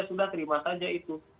sudah terima saja itu